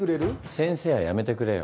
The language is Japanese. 先生はやめてくれよ。